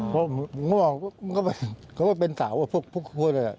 ผมก็ว่ามันก็เป็นสาวพวกพูดเลย